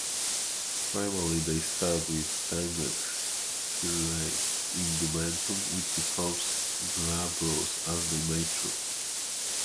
Primarily they start with tangled stellate indumentum which becomes glabrous as they mature.